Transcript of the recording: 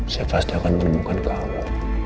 saya pasti akan menemukan kamu